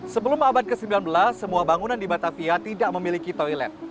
sebelum abad ke sembilan belas semua bangunan di batavia tidak memiliki toilet